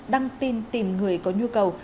đăng tin tìm người có nhu cầu